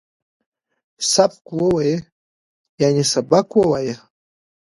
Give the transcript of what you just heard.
سبک وویه ، یعنی سبق ووایه